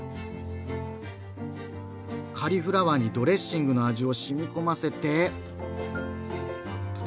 カリフラワーにドレッシングの味をしみこませて。